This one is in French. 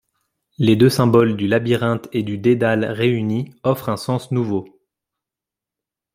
Les deux symboles du labyrinthe et du dédale réunis offrent un sens nouveau.